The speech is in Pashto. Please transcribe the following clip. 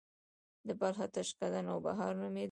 د بلخ اتشڪده نوبهار نومیده